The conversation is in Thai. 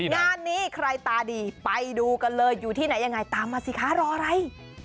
งานนี้ใครตาดีไปดูกันเลยอยู่ที่ไหนยังไงตามมาสิคะรออะไร